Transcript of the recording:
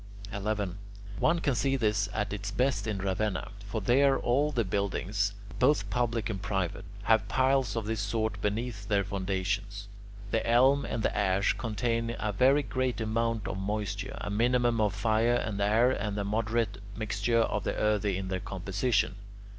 11. One can see this at its best in Ravenna; for there all the buildings, both public and private, have piles of this sort beneath their foundations. The elm and the ash contain a very great amount of moisture, a minimum of air and fire, and a moderate mixture of the earthy in their composition.